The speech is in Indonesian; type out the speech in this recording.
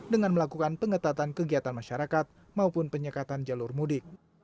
dengan melakukan pengetatan kegiatan masyarakat maupun penyekatan jalur mudik